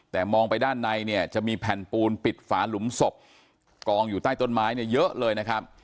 แต่มองไปด้านในเนี่ยจะมีแผ่นปูนปิดฝาหลุมศพกองอยู่ใต้ต้นไม้เนี่ยเยอะเลยนะครับ